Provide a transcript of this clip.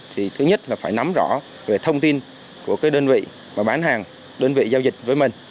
thì thứ nhất là phải nắm rõ về thông tin của cái đơn vị mà bán hàng đơn vị giao dịch với mình